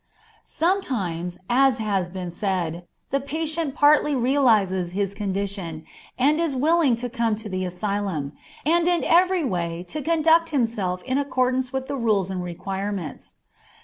Sometimes, as has been said, the patient partly realizes his condition, and is willing to come to the asylum, and in every way to conduct himself in accordance with the rules and requirements.